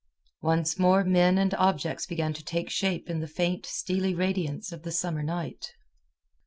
Once more men and objects began to take shape in the faint, steely radiance of the summer night.